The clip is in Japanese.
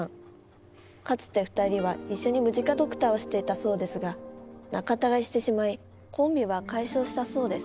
かつて２人は一緒にムジカドクターをしていたそうですが仲たがいしてしまいコンビは解消したそうです